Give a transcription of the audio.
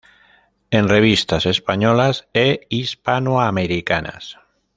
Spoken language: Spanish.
En revistas españolas e hispanoamericanas.